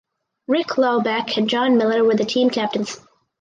Rick Laubach and John Miller were the team captains.